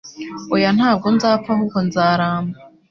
Oya nta bwo nzapfa ahubwo nzaramba